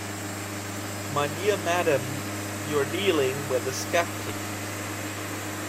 My dear madame, you are dealing with a sceptic.